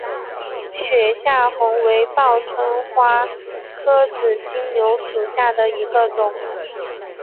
雪下红为报春花科紫金牛属下的一个种。